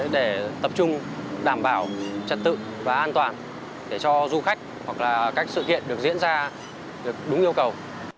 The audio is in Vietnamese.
để tập trung đảm bảo trật tự và an toàn để cho du khách hoặc là các sự kiện được diễn ra được đúng yêu cầu